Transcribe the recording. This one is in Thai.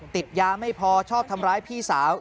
ติดยาไม่พอชอบทำร้ายพี่สาว